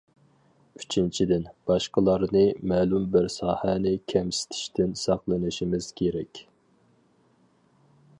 ئۈچىنچىدىن، باشقىلارنى، مەلۇم بىر ساھەنى كەمسىتىشتىن ساقلىنىشىمىز كېرەك.